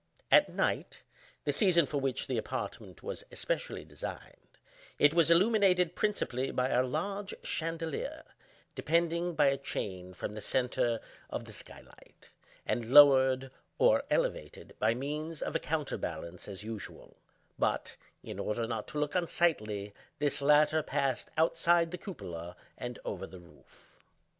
At night (the season for which the apartment was especially designed) it was illuminated principally by a large chandelier, depending by a chain from the centre of the sky light, and lowered, or elevated, by means of a counter balance as usual; but (in order not to look unsightly) this latter passed outside the cupola and over the roof.